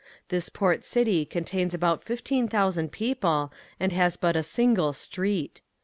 This port city contains about fifteen thousand people and has but a single street.